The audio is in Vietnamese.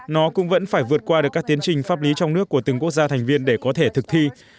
nó cũng vẫn phải vượt qua được các tiến trình pháp lý trong nước của từng quốc gia thành viên để có thể thực thi